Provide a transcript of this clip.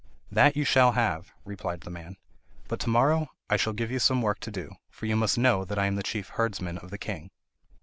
"That you shall have," replied the man; "but to morrow I shall give you some work to do, for you must know that I am the chief herdsman of the king."